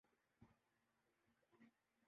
الجھاؤ منزل کھوٹی کرنے کا باعث بھی بن سکتا ہے۔